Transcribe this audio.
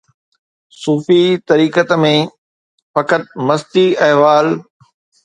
صوفي طریقت ۾ فقط مستي احوال